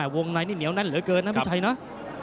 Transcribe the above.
วงในนี่เหนียวนั้นเหลือเกินนะไม่ใช่เนอะ